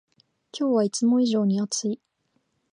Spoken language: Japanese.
今日はいつも以上に暑い